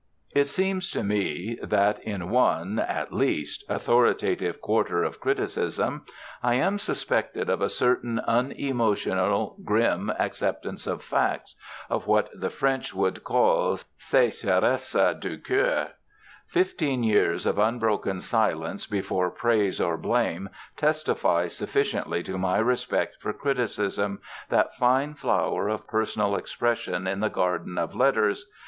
It seems to me that in one, at least, authoritative quarter of criticism I am suspected of a certain unemotional, grim acceptance of facts of what the French would call sécheresse du cœur. Fifteen years of unbroken silence before praise or blame testify sufficiently to my respect for criticism, that fine flower of personal expression in the garden of letters.